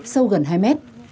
sâu gần hai mét